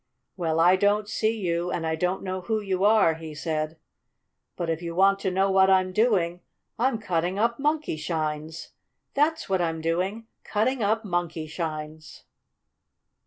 "Well, I don't see you, and I don't know who you are," he said, "but if you want to know what I'm doing, I'm cutting up Monkeyshines! That's what I'm doing! Cutting up Monkeyshines!"